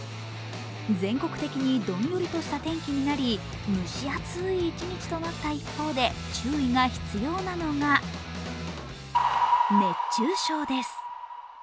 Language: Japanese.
全国的にどんよりとした天気になり蒸し暑い一日となった一方注意が必要なのが熱中症です。